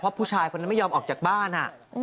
เพราะผู้ชายคนนั้นไม่ยอมออกจากบ้าน